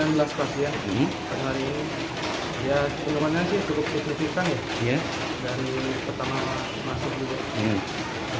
pendudukannya sih cukup positifan ya dari pertama masuk juga